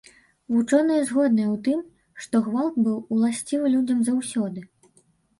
Вучоныя згодныя ў тым, што гвалт быў уласцівы людзям заўсёды.